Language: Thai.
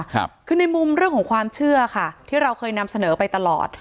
คือในมุมเรื่องของความเชื่อค่ะที่เราเคยนำเสนอไปตลอด